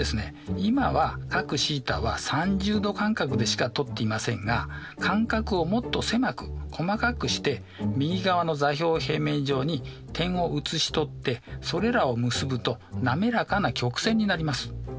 今は角θは３０°間隔でしか取っていませんが間隔をもっと狭く細かくして右側の座標平面上に点をうつし取ってそれらを結ぶと滑らかな曲線になります。